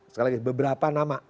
sekali lagi beberapa nama